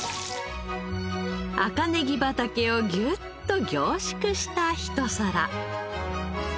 赤ネギ畑をギュッと凝縮したひと皿。